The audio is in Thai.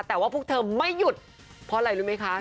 แต่ว่าพวกเธอไม่หยุดเพราะอะไรรู้ไหมคะ